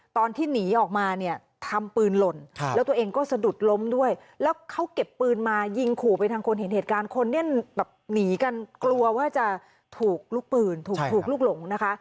ตอนที่หนีออกมาเนี่ยทำปืนหล่นแล้วตัวเองก็สะดุดล้มด้วยแล้วเขาเก็บปืนมายิงขู่ไปทางคนเห็นเหตุการณ์คนเนี่ยแบบหนีกันกลัวว่าจะถูกลูกปืนถูกลูกหลงนะคะ